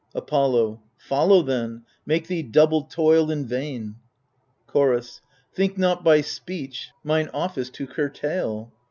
Apollo Follow then, make thee double toil in vain ! Chorus Think not by speech mine office to curtail.